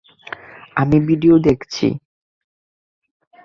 আমি ভিডিও দেখেছি।